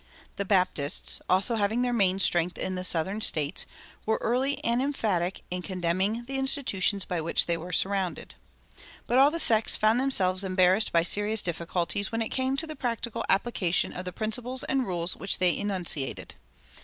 [275:1] The Baptists, also having their main strength in the southern States, were early and emphatic in condemning the institutions by which they were surrounded.[275:2] But all the sects found themselves embarrassed by serious difficulties when it came to the practical application of the principles and rules which they enunciated.